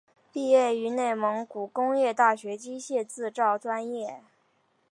毕业于内蒙古工业大学机械制造专业。